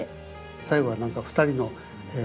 最後は何か２人のえ